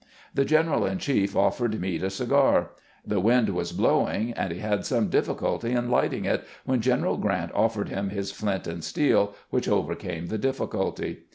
The general in chief offered Meade a cigar. The wind was blowing, and he had some difficulty in lighting it, when Greneral Grant offered him his flint and steel, which overcame the difficulty.